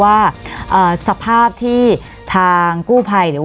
วันนี้แม่ช่วยเงินมากกว่า